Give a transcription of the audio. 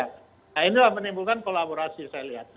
nah inilah menimbulkan kolaborasi saya lihat